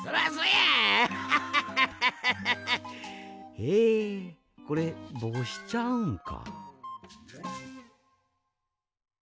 えこれぼうしちゃうんか。